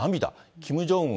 キム・ジョンウン